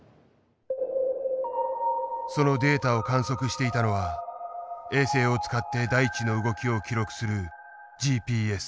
そのデータを観測していたのは衛星を使って大地の動きを記録するＧＰＳ。